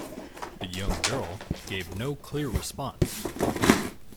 The young girl gave no clear response.